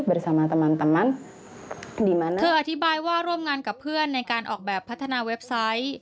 บริสมะทำันทำันเธออธิบายว่าร่วมงานกับเพื่อนในการออกแบบพัฒนาเว็บไซต์